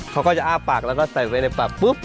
เขาก็จะอ้าปากแล้วก็เก็บใส่ในผัทปุ๊บ